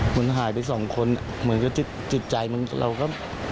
เหมือนหายไปสองคนเหมือนก็จิตใจมันเราก็